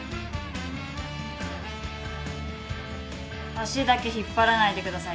足だけ引っ張らないでください